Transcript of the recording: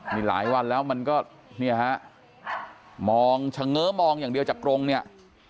นี่หลายวันแล้วมันก็เนี่ยฮะมองเฉง้อมองอย่างเดียวจากกรงเนี่ย